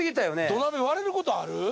土鍋割れることある？